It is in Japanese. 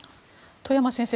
外山先生